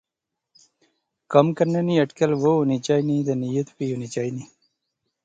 کم کرنے نی اٹکل وہ ہونی چائینی تے نیت وی ہونی چائینی